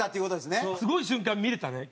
すごい瞬間見れたね